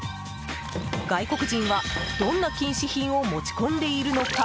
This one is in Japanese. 外国人は、どんな禁止品を持ち込んでいるのか？